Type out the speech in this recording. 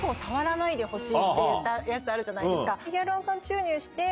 ほしいって言ったやつあるじゃないですか。